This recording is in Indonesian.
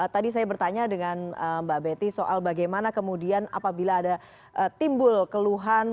tadi saya bertanya dengan mbak betty soal bagaimana kemudian apabila ada timbul keluhan